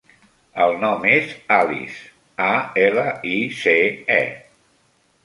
El nom és Alice: a, ela, i, ce, e.